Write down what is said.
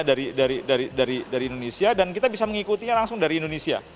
dari indonesia dan kita bisa mengikutinya langsung dari indonesia